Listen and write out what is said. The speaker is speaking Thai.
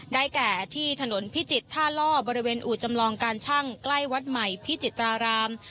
แก่ที่ถนนพิจิตรท่าล่อบริเวณอู่จำลองการชั่งใกล้วัดใหม่พิจิตราราม